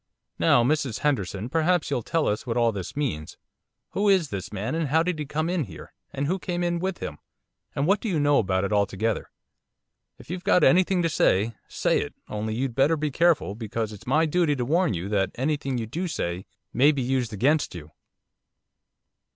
'Now, Mrs Henderson, perhaps you'll tell us what all this means. Who is this man, and how did he come in here, and who came in with him, and what do you know about it altogether? If you've got anything to say, say it, only you'd better be careful, because it's my duty to warn you that anything you do say may be used against you.